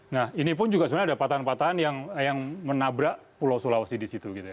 nah ini pun juga sebenarnya ada patahan patahan yang menabrak pulau sulawesi di situ gitu ya